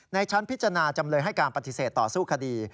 ชั้นพิจารณาจำเลยให้การปฏิเสธต่อสู้คดี